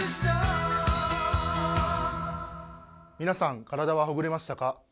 皆さん、体はほぐれましたか？